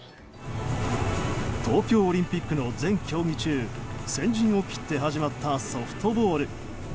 東京オリンピックの全競技中先陣を切って始まったソフトボール。